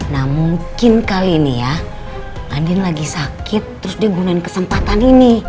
nah mungkin kali ini ya adin lagi sakit terus dia gunain kesempatan ini